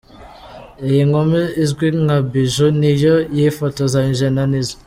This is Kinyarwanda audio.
Iyi nkumi izwi nka Bijou ni yo yifotozanyije na Nizzo.